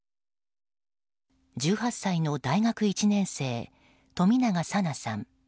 １８歳の大学１年生冨永紗菜さん。